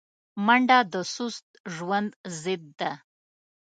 منډه د سست ژوند ضد ده